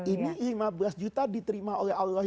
ini lima belas juta diterima oleh allah